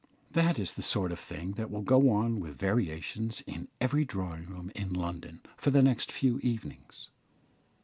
That is the sort of thing that will go on with variations in every drawing room in London for the next few evenings.